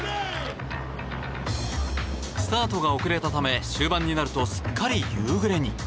スタートが遅れたため終盤になるとすっかり夕暮れに。